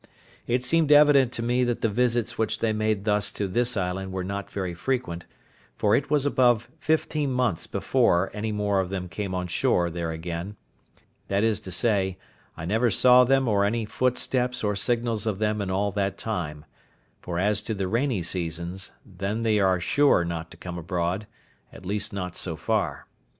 It seemed evident to me that the visits which they made thus to this island were not very frequent, for it was above fifteen months before any more of them came on shore there again—that is to say, I neither saw them nor any footsteps or signals of them in all that time; for as to the rainy seasons, then they are sure not to come abroad, at least not so far.